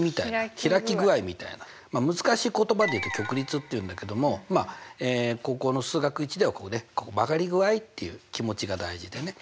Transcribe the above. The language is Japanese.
開き具合みたいな難しい言葉で言うと曲率って言うんだけども高校の数学Ⅰでは曲がり具合っていう気持ちが大事でね